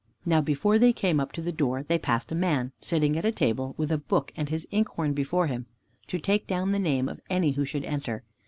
Now before they came up to the door, they passed a man, sitting at a table, with a book and his inkhorn before him, to take down the name of any who should enter.